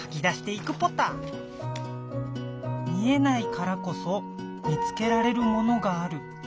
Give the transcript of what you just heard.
「見えないからこそ見つけられるものがある」。